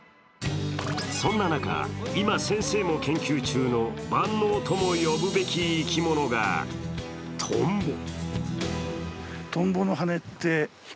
そんな中、今、先生も研究中の万能とも呼ぶべき生き物がトンボ。